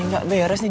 gak beres nih